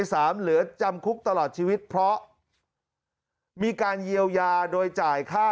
สามเหลือจำคุกตลอดชีวิตเพราะมีการเยียวยาโดยจ่ายค่า